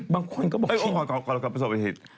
บางคนก็บอกฮึยโขละก่อนประสบปฏิเหตุ